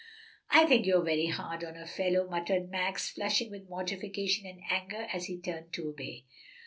"I think you're very hard on a fellow," muttered Max, flushing with mortification and anger as he turned to obey.